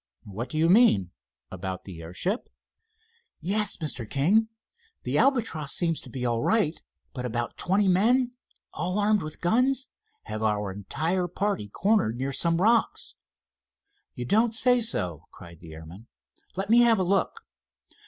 "What do you mean—about the airship?" "Yes, Mr. King. The Albatross seems to be all right, but about twenty men, all armed with guns, have our entire party cornered near some rocks." "You don't say so!" cried the airman. "Let me have a look."